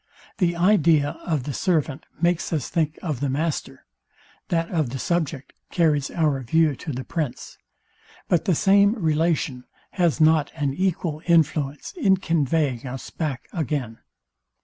The idea of the servant makes us think of the master; that of the subject carries our view to the prince. But the same relation has not an equal influence in conveying us back again.